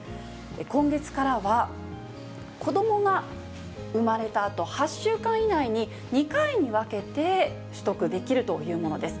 今月からは、子どもが生まれたあと８週間以内に、２回に分けて取得できるというものです。